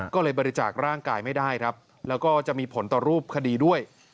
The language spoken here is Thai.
ก็เลยบริจาคร่างกายไม่ได้ครับแล้วก็จะมีผลต่อรูปคดีด้วย